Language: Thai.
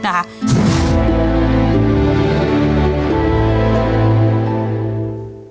เนี่ย